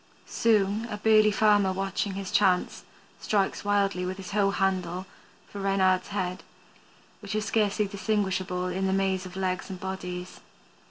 Soon a burly farmer watching his chance strikes wildly with his hoe handle for Reynard's head, which is scarcely distinguishable in the maze of legs and bodies.